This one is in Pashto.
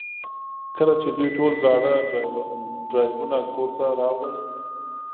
کله چې دوی ټول زاړه ډرایوونه کور ته راوړل